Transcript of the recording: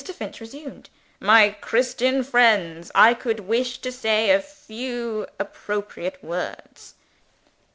Finch resumed. "My Christian friends, I could wish to say a few appropriate words."